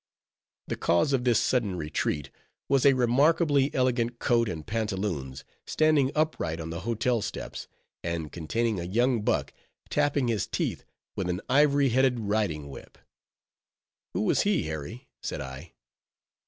The cause of this sudden retreat, was a remarkably elegant coat and pantaloons, standing upright on the hotel steps, and containing a young buck, tapping his teeth with an ivory headed riding whip. "Who was he, Harry?" said I.